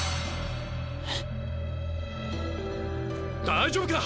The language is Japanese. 大丈夫か？